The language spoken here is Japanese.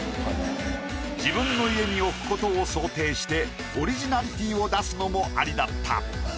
自分の家に置くことを想定してオリジナリティーを出すのもありだった。